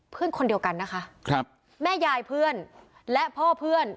คนเดียวกันนะคะครับแม่ยายเพื่อนและพ่อเพื่อน